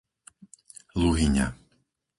Luhyňa